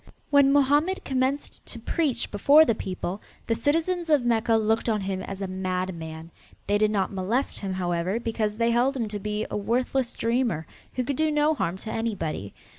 When Mohammed commenced to preach before the people, the citizens of Mecca looked on him as a madman. They did not molest him, however, because they held him to be a worthless dreamer who could do no harm to anybody.